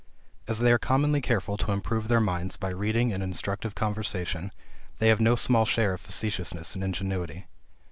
As they are commonly careful to improve their minds by reading and instructive conversation, they have no small share of facetiousness and ingenuity.